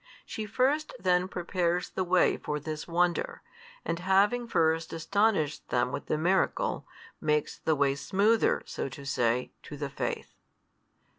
She first then prepares the way for this wonder, and having first astonished them with the miracle, makes the way smoother, so to say, to the faith.